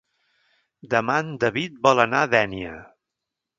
Demà en David vol anar a Dénia.